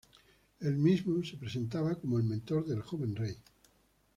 Él mismo se presentaba como el mentor del joven rey.